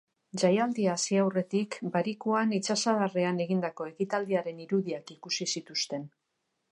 Jaialdia hasi aurretik, barikuan itsasadarrean egindako ekitaldiaren irudiak ikusi zituzten.